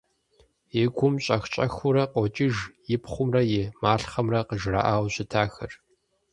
И гум щӀэх-щӀэхыурэ къокӀыж и пхъумрэ и малъхъэмрэ къыжраӀауэ щытахэр.